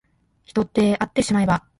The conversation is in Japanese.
人ってあってしまえば